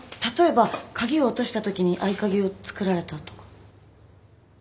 例えば鍵を落としたときに合鍵を作られたとか？